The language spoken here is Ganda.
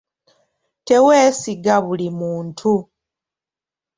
Teweesiga buli muntu.